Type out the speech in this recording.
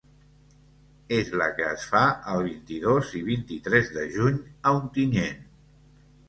És la que es fa el vint-i-dos i vint-i-tres de juny a Ontinyent.